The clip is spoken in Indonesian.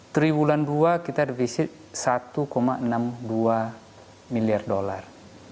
triwulan dua kita defisit satu enam puluh dua miliar dolar